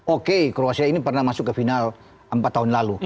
oke kroasia ini pernah masuk ke final empat tahun lalu